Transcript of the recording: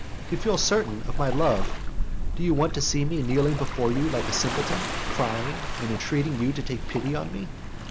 To feel certain of my love, do you want to see me kneeling before you like a simpleton, crying and entreating you to take pity on me?